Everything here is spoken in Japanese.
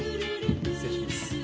失礼します。